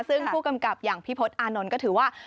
ซึ่งผู้กำกับอย่างพี่พศอานนท์ก็ถือว่า